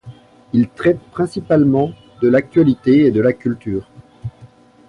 Il traite principalement de l'actualité et de la culture.